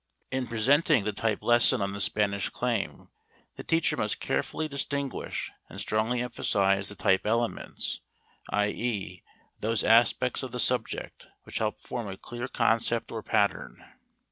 In presenting the type lesson on the Spanish claim the teacher must carefully distinguish and strongly emphasize the type elements, i. e., those aspects of the subject which help form a clear concept or pattern.